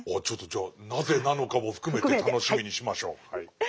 ちょっとじゃあなぜなのかも含めて楽しみにしましょう。